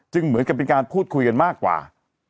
เหมือนกับเป็นการพูดคุยกันมากกว่า